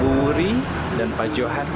bu wuri punya suami kan